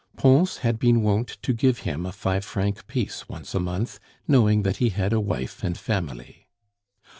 Pons had been wont to give him a five franc piece once a month, knowing that he had a wife and family.